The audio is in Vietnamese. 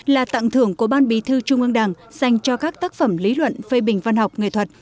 là tặng thưởng của ban bí thư trung ương đảng dành cho các tác phẩm lý luận phê bình văn học nghệ thuật